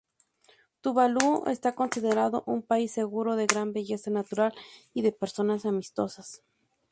Tuvalu Está considerado un país seguro, de gran belleza natural y de personas amistosas.